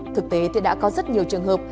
thực tế thì đã có rất nhiều trường hợp